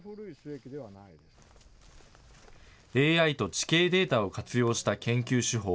ＡＩと地形データを活用した研究手法。